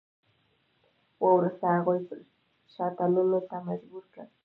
وروسته هغوی پر شا تللو ته مجبور کړ.